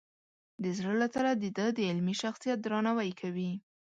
د زړه له تله د ده د علمي شخصیت درناوی کوي.